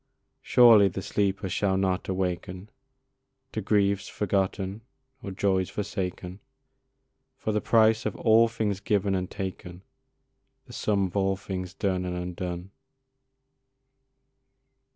Surely the sleeper shall not awaken To griefs forgotten or joys forsaken, For the price of all things given and taken, The sum of all things done and undone.